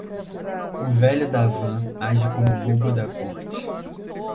O velho da van age como bobo da corte